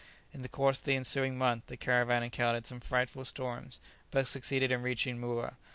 In the course of the ensuing month the caravan encountered some frightful storms, but succeeded in reaching Moura.